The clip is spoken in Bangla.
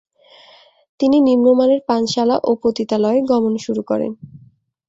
তিনি নিম্নমানের পানশালা ও পতিতালয়ে গমন শুরু করেন।